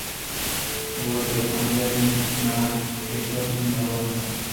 বললে, আমি জানি নাগকেশর তুমি ভালোবাস।